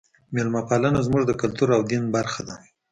میلمه پالنه زموږ د کلتور او دین برخه ده.